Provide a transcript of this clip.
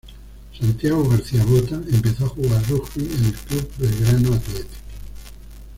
Santiago García Botta empezó a jugar rugby en el club Belgrano Athletic.